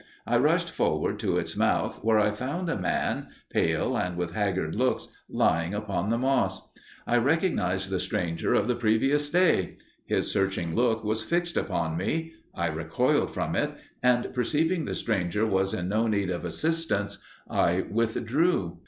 I rushed forward to its mouth, where I found a man pale and with haggard looks, lying upon the moss. I recognised the stranger of the previous day; his searching look was fixed upon me; I recoiled from it, and perceiving the stranger was in no need of assistance, I withdrew.